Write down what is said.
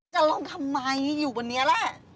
จะลองทำไมอยู่บนนี้แหละ